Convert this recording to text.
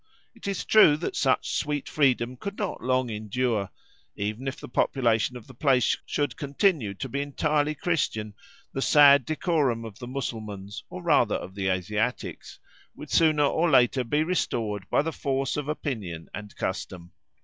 It is true that such sweet freedom could not long endure. Even if the population of the place should continue to be entirely Christian, the sad decorum of the Mussulmans, or rather of the Asiatics, would sooner or later be restored by the force of opinion and custom.